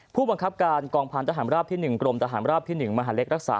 ผู้บังคับการกองพันธหารราบที่๑กรมทหารราบที่๑มหาเล็กรักษา